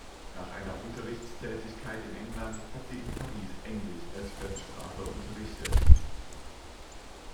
Nach einer Unterrichtstätigkeit in England hat sie in Paris Englisch als Fremdsprache unterrichtet.